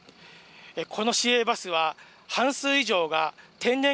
この市営バスは、半数以上が天然